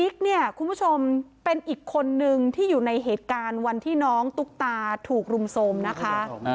เนี่ยคุณผู้ชมเป็นอีกคนนึงที่อยู่ในเหตุการณ์วันที่น้องตุ๊กตาถูกรุมโทรมนะคะ